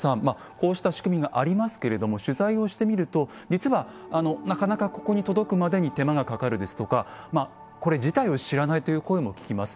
こうした仕組みがありますけれども取材をしてみると実はなかなかここに届くまでに手間がかかるですとかこれ自体を知らないという声も聞きます。